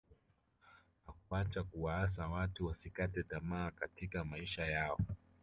hakuacha kuwaasa watu wasikate tamaa katika maisha yao